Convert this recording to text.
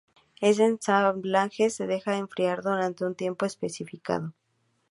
El ensamblaje se deja enfriar durante un tiempo especificado.